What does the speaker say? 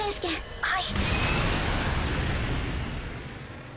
はい？